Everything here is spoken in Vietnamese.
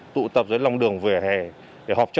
tụ tập dưới lòng đường về hề để họp chợ